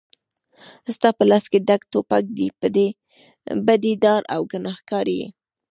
ستا په لاس کې ډک توپک دی بدي دار او ګنهګار یې